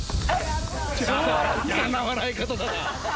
やな笑い方だな。